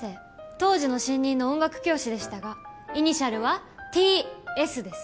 当時の新任の音楽教師でしたがイニシャルはＴ・Ｓです。